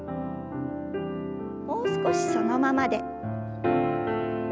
もう少しそのままで。